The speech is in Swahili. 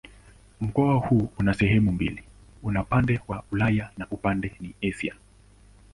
Mkoa huu una sehemu mbili: una upande wa Ulaya na upande ni Asia.